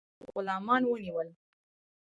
ډېر زیات غلامان ونیول.